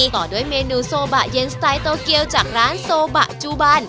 ต่อด้วยเมนูโซบะเย็นสไตล์โตเกียวจากร้านโซบะจูบัน